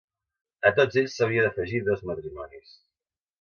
A tots ells s'hauria d'afegir dos matrimonis.